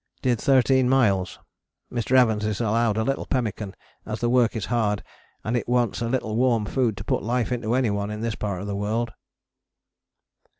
Did 13 miles. Mr. Evans is allowed a little pemmican as the work is hard and it wants a little warm food to put life into anyone in this part of the world.